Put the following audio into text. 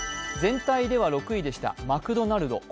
全体では６位でしたマクドナルド。